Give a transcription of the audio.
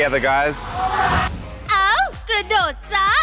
เอ้ากระโดดจ๊ะ